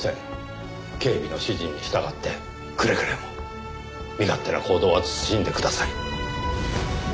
警備の指示に従ってくれぐれも身勝手な行動は慎んでください。